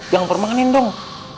jangan permanen dong